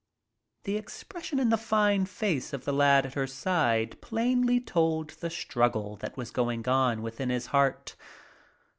The expression in the fine face of the lad at her side plainly told the struggle that was going on within his heart.